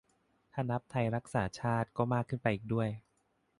ถ้านับไทยรักษาชาติก็มากขึ้นไปอีกด้วย